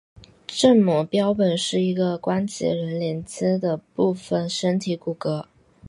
正模标本是一个关节仍连阶的部分身体骨骼。